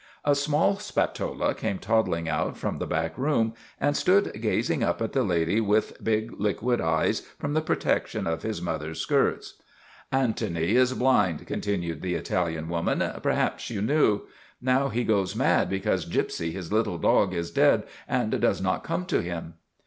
A small Spatola came toddling out from the back room, and stood gazing up at the lady with big, liquid eyes from the protection of his mother's skirts. ' Antony is blind," continued the Italian woman. ' Perhaps you knew. Now he goes mad because Gypsy his little dog is dead and does not come to him."